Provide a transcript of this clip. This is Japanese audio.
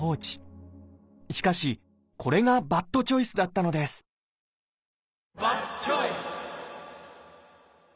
しかしこれがバッドチョイスだったのですバッドチョイス！